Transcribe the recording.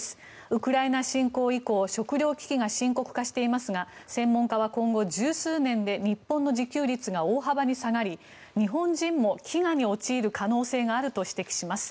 ウクライナ侵攻以降食料危機が深刻化していますが専門家は今後１０数年で日本の受給率が大幅に下がり、日本人も飢餓に陥る可能性があると指摘します。